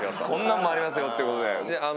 こんなんもありますよと。